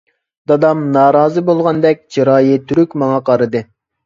دادام نارازى بولغاندەك چىرايى تۈرۈك ماڭا قارىدى.